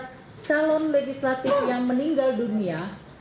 ada calon legislatif yang meninggal dunia